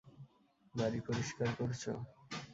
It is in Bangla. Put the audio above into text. বাড়ি পরিষ্কার করছ?